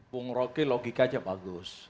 bung roky logik aja bagus